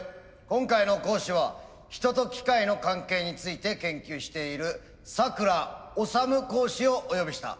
今回の講師は人と機械の関係について研究している佐倉統講師をお呼びした。